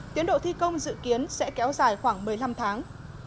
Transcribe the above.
tiến độ thi công dự kiến sẽ kéo dài khoảng một mươi năm tháng